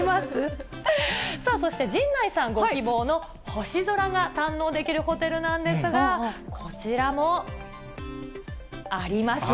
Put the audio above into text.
そして陣内さんご希望の、星空が堪能できるホテルなんですが、こちらもありました。